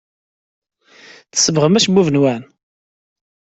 Tsebbɣem acebbub-nwen?